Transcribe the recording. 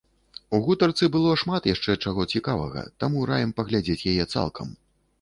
У гутарцы было шмат яшчэ чаго цікавага, таму раім паглядзець яе цалкам.